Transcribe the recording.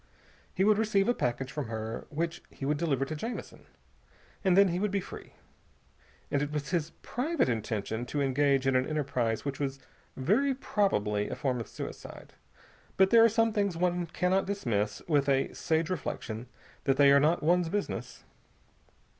He would receive a package from her, which he would deliver to Jamison. And then he would be free, and it was his private intention to engage in an enterprise which was very probably a form of suicide. But there are some things one cannot dismiss with a sage reflection that they are not one's business.